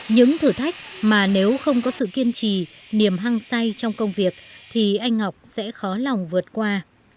những thử thách mà nếu không có sự kiên trì niềm hăng say trong công việc thì anh ngọc sẽ khó lòng vượt qua